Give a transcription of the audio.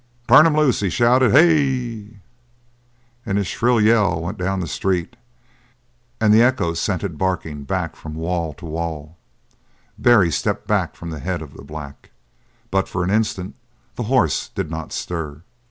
"Turn him loose!" he shouted. "Hei!" And his shrill yell went down the street and the echoes sent it barking back from wall to wall; Barry stepped back from the head of the black. But for an instant the horse did not stir.